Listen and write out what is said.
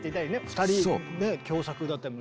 ２人ね共作だったりも。